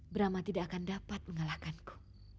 brama tidak akan dapat mengalahkanku